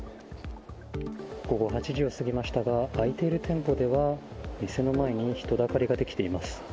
午後８時を過ぎましたが、開いている店舗では、店の前に人だかりが出来ています。